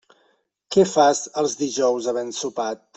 Què fas els dijous havent sopat?